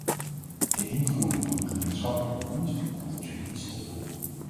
De invoering van een gemeenschappelijke munt komt op z'n minst te vroeg.